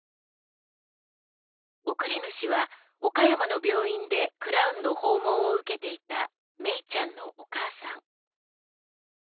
送り主は岡山の病院でクラウンの訪問を受けていためいちゃんのお母さん。